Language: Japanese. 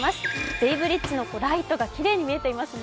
ベイブリッジのライトが見えていますね。